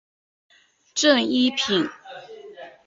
正一品。